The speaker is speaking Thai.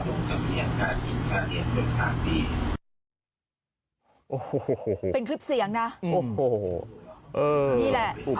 โอ้โหนี่แหละ